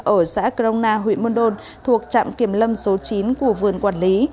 ở xã crona huyện bonon thuộc trạm kiểm lâm số chín của vườn quản lý